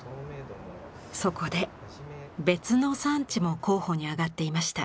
そこで別の産地も候補に挙がっていました。